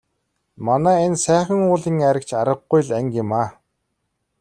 Манай энэ Сайхан уулын айраг ч аргагүй л анги юмаа.